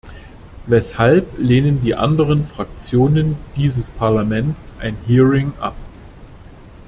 Weshalb lehnen die anderen Fraktionen dieses Parlaments ein Hearing ab?